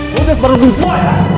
lo udah baru lupa ya